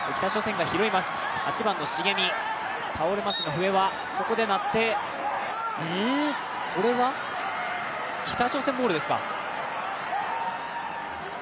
笛はここで鳴って、これは北朝鮮ボールですか？